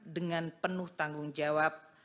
dengan penuh tanggung jawab